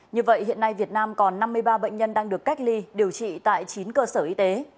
như vậy hiện nay việt nam còn năm mươi ba bệnh nhân đang được cách ly điều trị tại chín cơ sở y tế